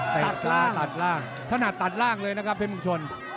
ตัดล่างขนาดตัดล่างเลยนะครับเพชรมุงชน